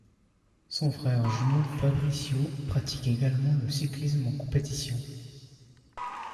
Son frère jumeau Fabrício pratique également le cyclisme en compétition.